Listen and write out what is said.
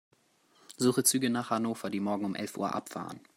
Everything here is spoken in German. Suche Züge nach Hannover, die morgen um elf Uhr abfahren.